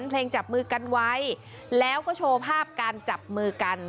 เพลงจับมือกันไว้แล้วก็โชว์ภาพการจับมือกัน